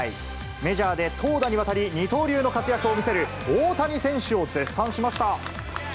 メジャーで投打にわたり二刀流の活躍を見せる大谷選手を絶賛しました。